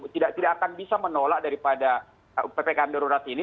tidak akan bisa menolak daripada ppkm darurat ini